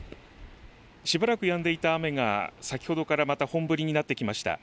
しばらくやんでいた雨が先ほどからまた本降りになってきました。